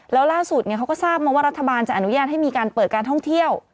แล้วล่าสุดเขาก็ทราบมาว่ารัฐบาลจะอนุญาตให้มีการเปิดการท่องเที่ยว